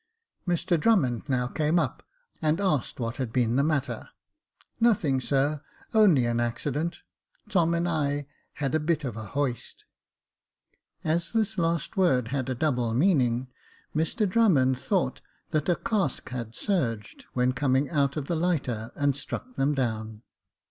Mr Drummond now came up, and asked what had been the matter. "Nothing, sir — only an accident. Tom and I had a bit of a hoist P As this last word had a double meaning, Mr Drummond thought that a cask had surged, when coming out of the lighter, and struck them down.